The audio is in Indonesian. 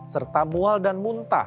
serta mual dan muntah